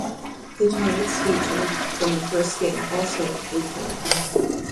The "Tonics" feature from the first game also return.